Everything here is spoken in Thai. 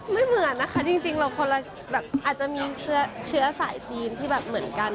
ไม่เหมือนนะคะจริงเราคนละแบบอาจจะมีเชื้อสายจีนที่แบบเหมือนกัน